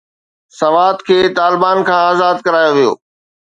سوات کي طالبان کان آزاد ڪرايو ويو.